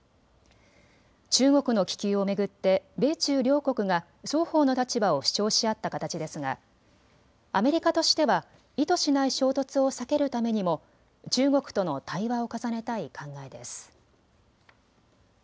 中国の気球を巡って米中両国が双方の立場を主張し合った形ですがアメリカとしては意図しない衝突を避けるためにも中国との対話を重ねたい考えです。